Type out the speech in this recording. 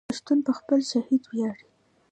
پښتون په خپل شهید ویاړي.